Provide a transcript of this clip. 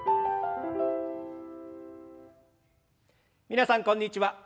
皆さんこんにちは。